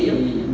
nó có bất ngờ